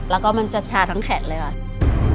แล้วก็มันจะชาทั้งแขนเลยค่ะ